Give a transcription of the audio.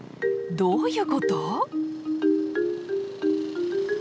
どういうこと？